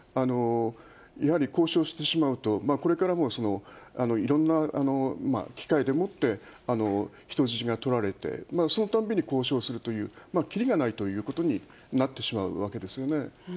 やはり交渉してしまうと、これからもいろんな機会でもって、人質が取られて、そのたんびに交渉するという、きりがないということになってしまうわけですよね。